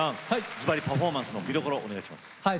ずばりパフォーマンスの見どころをお願いします。